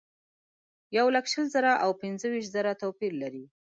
یولک شل زره او پنځه ویشت زره توپیر لري.